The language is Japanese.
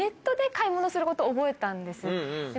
することを覚えたんです。